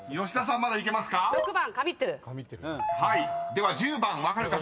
［では１０番分かる方］